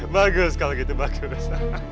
bagus kalau gitu bagus